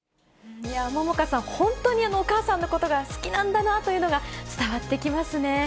杏果さん、本当にお母さんのことが好きなんだなというのが伝わってきますね。